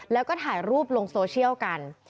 แล้วก็ถ่ายรูปลงโซเชียลกัน